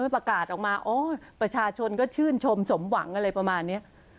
ประกาศออกมาโอ้ยประชาชนก็ชื่นชมสมหวังอะไรประมาณนี้